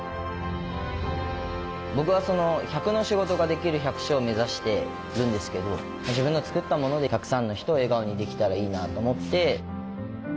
僕は百の仕事ができる百姓を目指してるんですけど自分の作ったものでたくさんの人を笑顔にできたらいいなと思って。